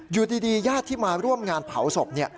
อยู่ดีญาติที่มาร่วมงานเผาศพ